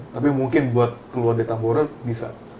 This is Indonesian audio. tapi mungkin buat keluar dari tambora bisa